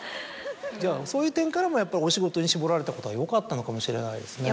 じゃあそういう点からもやっぱお仕事に絞られたことはよかったのかもしれないですね。